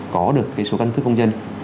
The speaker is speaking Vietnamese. có được số căn cức công dân